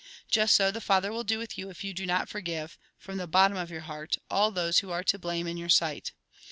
" Just so, the Father will do with you, if you do not forgive, from the bottom of your heart, all those who are to blame in your sight.